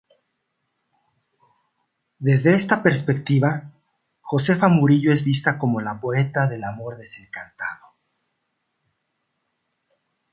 Desde esta perspectiva, Josefa Murillo es vista como la poeta del amor desencantado.